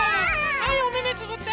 はいおめめつぶって。